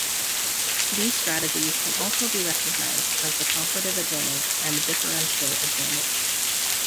These strategies can also be recognized as the comparative advantage and the differential advantage.